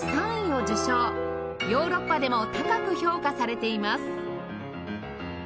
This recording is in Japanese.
ヨーロッパでも高く評価されています